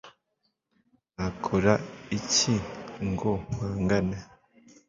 Nakora iki ngo mpangane